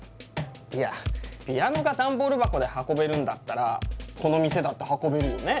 いやピアノがダンボール箱で運べるんだったらこの店だって運べるよね？